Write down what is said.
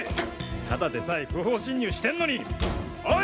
ただでさえ不法侵入してんのにおい！